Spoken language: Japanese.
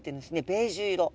ベージュ色。